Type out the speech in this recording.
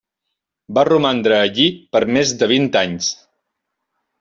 Va romandre allí per més de vint anys.